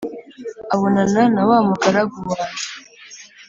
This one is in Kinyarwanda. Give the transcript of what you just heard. abonana nawamugaragu waje